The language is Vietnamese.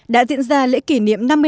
đã diễn ra lễ kỷ niệm năm mươi năm